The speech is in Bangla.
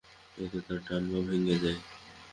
এতে তাঁর ডান পা ভেঙে যায়।